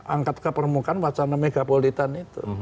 angkat ke permukaan wacana megapolitan itu